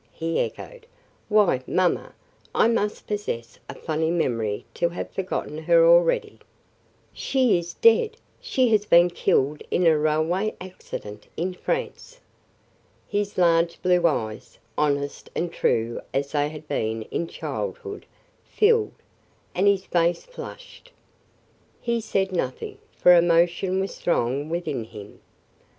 he echoed. "Why, mamma, I must possess a funny memory to have forgotten her already." "She is dead. She has been killed in a railway accident in France." His large blue eyes, honest and true as they had been in childhood, filled, and his face flushed. He said nothing, for emotion was strong within him.